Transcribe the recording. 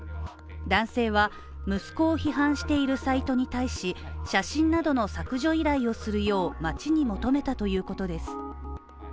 男性は、息子を非難しているサイトに対し、写真などの削除依頼をするよう町に求めたということです。